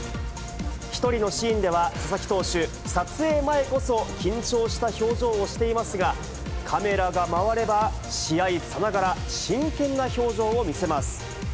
１人のシーンでは、佐々木投手、撮影前こそ緊張した表情をしていますが、カメラが回れば、試合さながら真剣な表情を見せます。